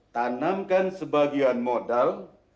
tanamkan sebagian modal